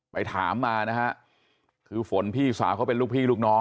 ไปถามมานะฮะคือฝนพี่สาวเขาเป็นลูกพี่ลูกน้อง